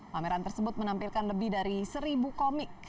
pameran tersebut menampilkan lebih dari seribu komik